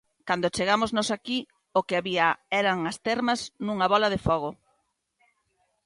Cando chegamos nós aquí o que había eran as termas nunha bóla de fogo.